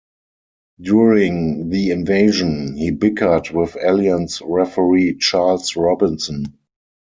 During The Invasion, he bickered with Alliance referee Charles Robinson.